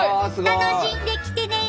楽しんできてね！